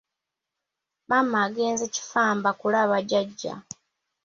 Maama agenze Kifamba kulaba jjajja.